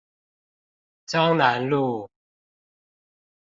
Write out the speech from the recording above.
彰南路